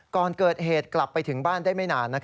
ก่อนเกิดเหตุกลับไปถึงบ้านได้ไม่นาน